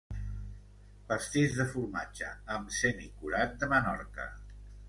Pastís de formatge amb semicurat de Menorca